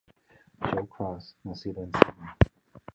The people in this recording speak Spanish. Joe Cross, nacido en Sídney.